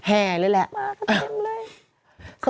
แห่เลยแหละมากันเต็มเลย